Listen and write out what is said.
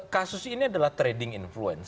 kasus ini adalah trading influence